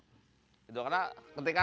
karena ketika tidak diperhatikan